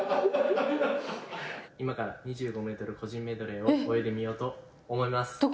今から２５メートル個人メドレーを泳いでみようと思います。